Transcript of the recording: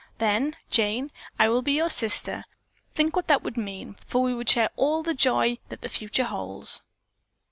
Then, Jane, I will be your sister. Think what that would mean, for we would share all of the joy that the future holds."